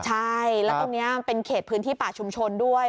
ใช่แล้วตรงนี้มันเป็นเขตพื้นที่ป่าชุมชนด้วย